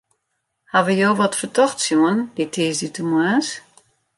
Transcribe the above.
Hawwe jo wat fertochts sjoen dy tiisdeitemoarns?